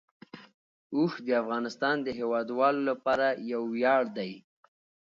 اوښ د افغانستان د هیوادوالو لپاره یو ویاړ دی.